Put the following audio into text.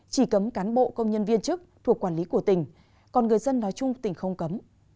chỉ cấm cán bộ công nhân viên chức thuộc quản lý của tỉnh còn người dân nói chung tỉnh không cấm